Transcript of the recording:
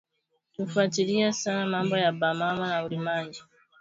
Tufwatiriye sana mambo ya ba mama na urimaji